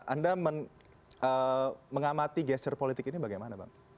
anda mengamati gesture politik ini bagaimana bang